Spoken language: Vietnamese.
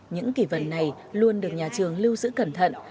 những kỷ vật này luôn được nhà trường lưu giữ cẩn thận